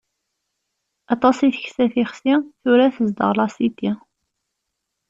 Aṭas i teksa tixsi, tura tezdeɣ lasiti.